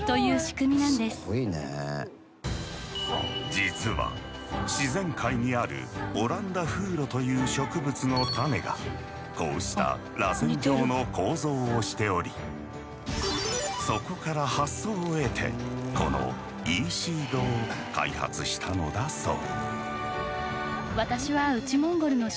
実は自然界にあるオランダフウロという植物の種がこうしたらせん状の構造をしておりそこから発想を得てこのＥ−ｓｅｅｄを開発したのだそう。